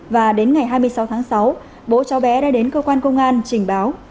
và đến ngày hai mươi sáu tháng sáu bố cháu bé đã đến cơ quan công an trình báo